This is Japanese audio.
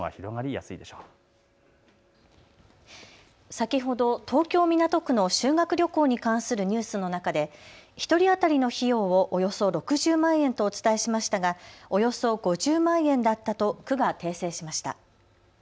先ほど東京港区の修学旅行に関するニュースの中で１人当たりの費用をおよそ６０万円とお伝えしましたがおよそ５０万円だったと区が訂正しました。